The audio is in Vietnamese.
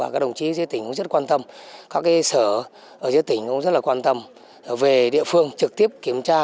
các đồng chí dưới tỉnh cũng rất quan tâm các sở ở giữa tỉnh cũng rất là quan tâm về địa phương trực tiếp kiểm tra